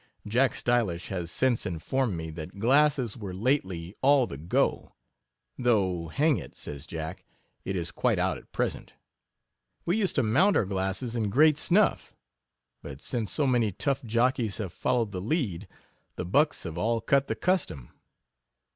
Jack Stylish has since in formed me, that glasses were lately all the go; though hang it, says Jack, it is quite out at present ; we used to mount our glasses in great snuff, but since so many tough jochies have followed the lead, the bucks have all cut the custom.